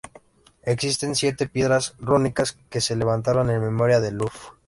Existen siete piedras rúnicas que se levantaron en memoria de Ulf.